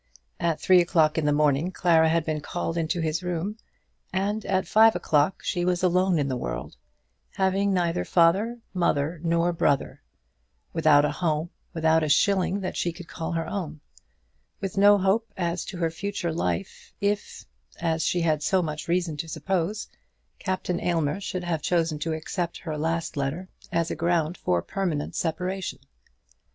At three o'clock in the morning Clara had been called into his room, and at five o'clock she was alone in the world, having neither father, mother, nor brother; without a home, without a shilling that she could call her own; with no hope as to her future life, if, as she had so much reason to suppose, Captain Aylmer should have chosen to accept her last letter as a ground for permanent separation.